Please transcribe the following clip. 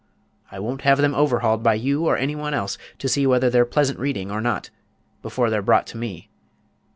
I won't have them overhauled by you, or any one, to see whether they're pleasant reading or not, before they're brought to me.